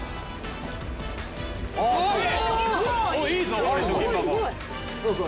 いいぞ！